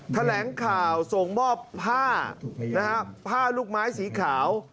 แถลงข่าวส่งมอบผ้าผ้าลูกไม้สีขาว